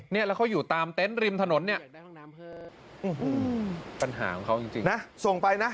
เนี่ยแล้วเขาอยู่ตามเต็นต์ริมถนนเนี่ยปัญหาของเขาจริงนะส่งไปนะ